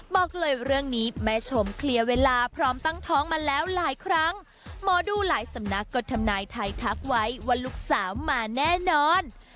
บอกเลยเรื่องนี้แม่ชมเคลียร์เวลาพร้อมตั้งท้องมาแล้วหลายครั้งหมอดูหลายสำนักก็ทำนายไทยทักไว้ว่าลูกสาวมาแน่นอน